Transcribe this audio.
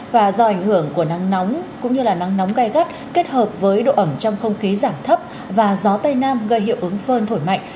và do ảnh hưởng của nắng nóng cũng như là nắng nóng gai gắt kết hợp với độ ẩm trong không khí giảm thấp và gió tây nam gây hiệu ứng phơn thổi mạnh